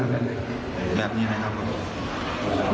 ตายแพ้แล้วนะ